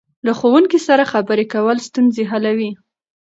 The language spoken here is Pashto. له ښوونکي سره خبرې کول ستونزې حلوي.